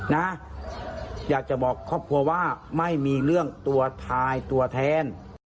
นะอยากจะบอกครอบครัวว่าไม่มีเรื่องตัวทายตัวแทน